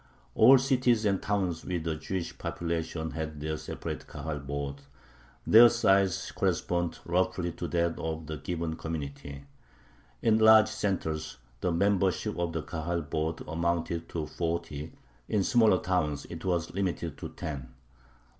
All cities and towns with a Jewish population had their separate Kahal boards. Their size corresponded roughly to that of the given community. In large centers the membership of the Kahal board amounted to forty; in smaller towns it was limited to ten.